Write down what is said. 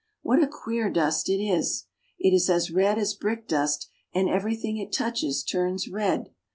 What queer dust it is! It is as red as brick dust, and everything it touches turns red.